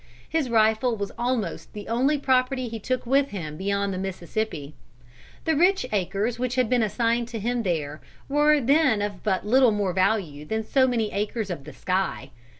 His rifle was almost the only property he took with him beyond the Mississippi. The rich acres which had been assigned to him there were then of but little more value than so many acres of the sky.